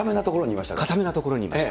硬めなところにいました。